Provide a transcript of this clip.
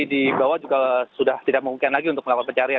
di bawah juga sudah tidak mungkin lagi untuk melakukan pencarian